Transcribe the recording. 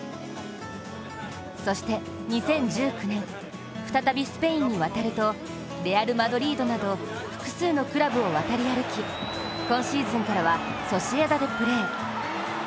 そして２０１９年、再びスペインに渡るとレアル・マドリードなど複数のクラブを渡り歩き今シーズンからはソシエダでプレー。